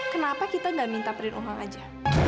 kenapa kita nggak minta print off nya aja